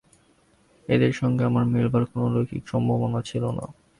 এদের সঙ্গে আমার মেলবার কোনো লৌকিক সম্ভাবনা ছিল না।